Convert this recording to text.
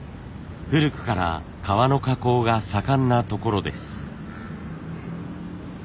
古くから革の加工が盛んなところです。